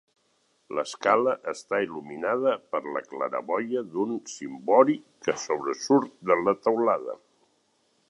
L'escala està il·luminada per la claraboia d'un cimbori que sobresurt de la teulada.